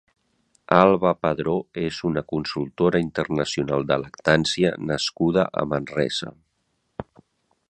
Alba Padró és una consultora internacional de lactància nascuda a Manresa.